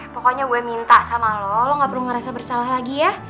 pokoknya gue minta sama lo gak perlu ngerasa bersalah lagi ya